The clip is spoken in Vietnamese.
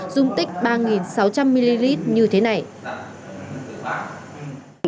dung tích ba sáu trăm linh ml như trẻ em